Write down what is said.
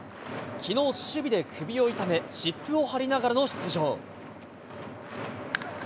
きのう、守備で首を痛め、湿布を貼りながらの出場。